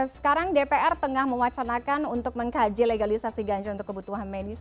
sekarang dpr tengah mewacanakan untuk mengkaji legalisasi ganja untuk kebutuhan medis